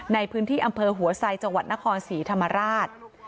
ในพื้นที่อำเภอหัวไซจังหวัดนครศรีธรรมราช